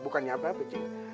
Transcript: bukannya apa cing